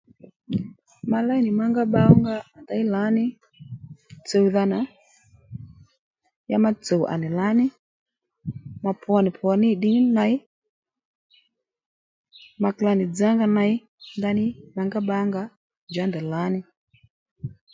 Ma léy nì mǎngá bba ó nga déy lǎní tsùwdha nà ya ma tsùw à nì lǎní ma pwo nì pwò ní nì ddí ney ma kla nì dzánga ney ndaní mǎngá bba ó nga njǎ ndèy lǎní